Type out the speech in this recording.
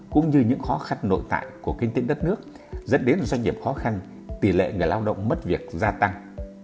cũng như những khó khăn nội tại của kinh tế đất nước dẫn đến doanh nghiệp khó khăn tỷ lệ người lao động mất việc gia tăng